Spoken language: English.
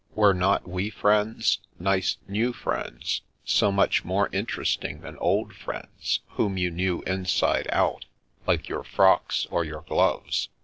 Were not we friends, nice new friends, so much more interesting than old friends, whom you knew inside out, like your frocks or your gloves?